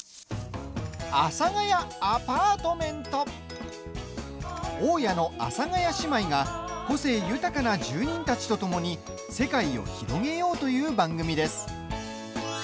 「阿佐ヶ谷アパートメント」大家の阿佐ヶ谷姉妹が個性豊かな住人たちとともに世界を広げようという番組です。